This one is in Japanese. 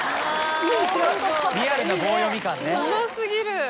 うま過ぎる。